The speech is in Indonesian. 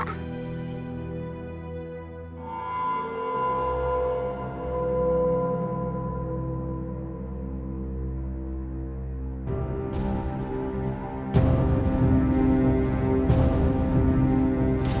kayak ada suara yang jatuh